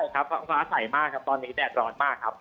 ครับฟ้าใสมากครับตอนนี้แดดร้อนมากครับ